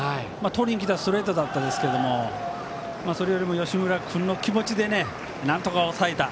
とりにきたストレートだったんですがそれよりも吉村君の気持ちでねなんとか抑えた。